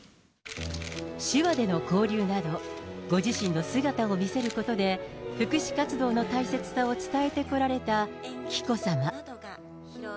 手話での交流など、ご自身の姿を見せることで、福祉活動の大切さを伝えてこられた紀子さま。